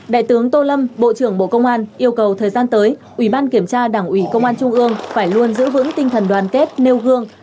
đại tướng tô lâm bộ trưởng bộ công an yêu cầu thời gian tới ủy ban kiểm tra đảng ủy công an trung ương phải luôn giữ vững tinh thần đoàn kết nêu gương